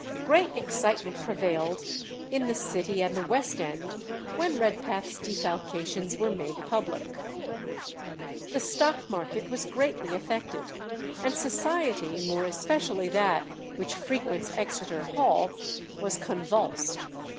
Great excitement prevailed in the city and the West End when Redpath's defalcations were made public. The Stock Market was greatly affected, and society, more especially that which frequents Exeter Hall, was convulsed.